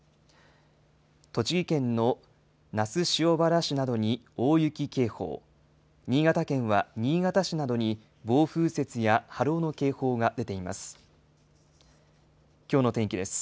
栃木県の那須塩原市などに大雪警報、新潟県は新潟市などに、暴風雪や波浪の警報が出ています。